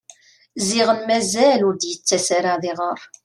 Ziɣen mazal ur d-t-yettas ara ad iɣer.